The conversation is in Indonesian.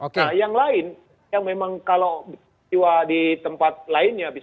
nah yang lain yang memang kalau jiwa di tempat lainnya